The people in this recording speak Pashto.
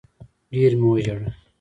ډېر مي وژړل